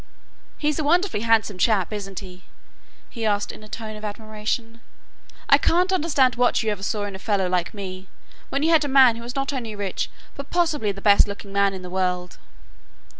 "He's a wonderfully handsome chap, isn't he?" he asked in a tone of admiration. "I can't understand what you ever saw in a fellow like me, when you had a man who was not only rich, but possibly the best looking man in the world."